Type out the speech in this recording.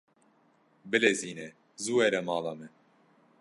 Bilezîne zû were mala me.